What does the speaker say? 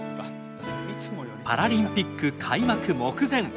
パラリンピック開幕目前。